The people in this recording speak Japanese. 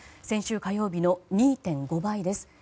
先週火曜日の２．５倍です。